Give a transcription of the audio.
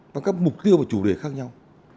và các mục tiêu và chủ đề khác nhau